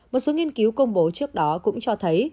một số nghiên cứu công bố trước đó cũng cho thấy